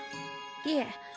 いえ。